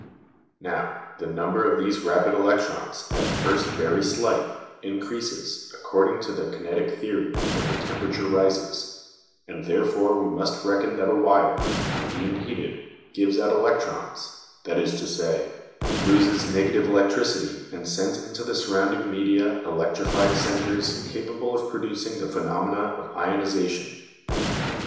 Now, the number of these rapid electrons, at first very slight, increases, according to the kinetic theory, when the temperature rises, and therefore we must reckon that a wire, on being heated, gives out electrons, that is to say, loses negative electricity and sends into the surrounding media electrified centres capable of producing the phenomena of ionisation.